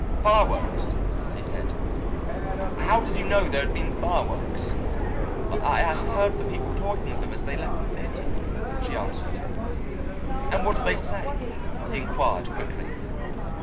"Fireworks!" he said. "How did you know there had been fireworks?" "I heard the people talking of them as they left the theatre," she answered. "And what did they say?" he inquired quickly.